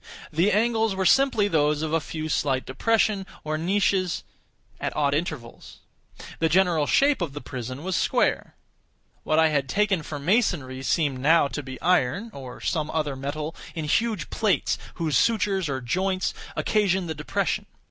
The angles were simply those of a few slight depressions, or niches, at odd intervals. The general shape of the prison was square. What I had taken for masonry seemed now to be iron, or some other metal, in huge plates, whose sutures or joints occasioned the depression.